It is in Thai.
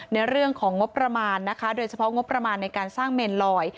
ในเรื่องของงบประมาณนะคะโดยเฉพาะงบประมาณในการสร้างเมนลอย